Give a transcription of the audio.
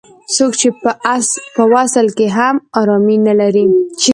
څوک چې په وصل کې هم ارامي نه لري.